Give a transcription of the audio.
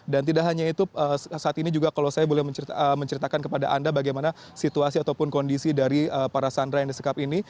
dan tidak hanya itu saat ini juga kalau saya boleh menceritakan kepada anda bagaimana situasi ataupun kondisi dari para sandra yang disekap ini